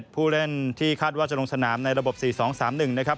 ผู้เล่นที่คาดว่าจะลงสนามในระบบ๔๒๓๑นะครับ